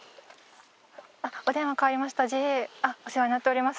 お電話代わりましたＪＡあっお世話になっております。